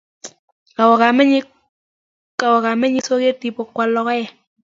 Kawo kamennyi soket ipkoal logoek.